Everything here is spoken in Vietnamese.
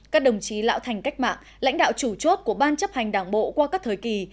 các đồng chí lão thành cách mạng lãnh đạo chủ chốt của ban chấp hành đảng bộ qua các thời kỳ